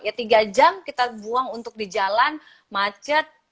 ya tiga jam kita buang untuk di jalan macet